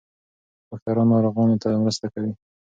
ډاکټران ناروغانو ته مرسته کوي.